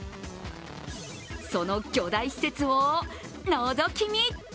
その巨大施設をのぞき見。